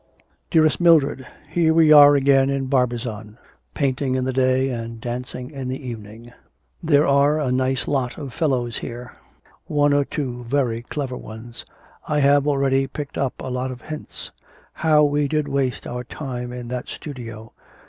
'DEAREST MILDRED, Here we are again in Barbizon, painting in the day and dancing in the evening. There are a nice lot of fellows here, one or two very clever ones. I have already picked up a lot of hints. How we did waste our time in that studio.